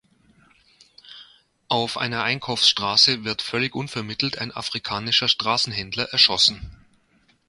Auf einer Einkaufsstraße wird völlig unvermittelt ein afrikanischer Straßenhändler erschossen.